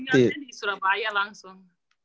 punggiannya di surabaya langsung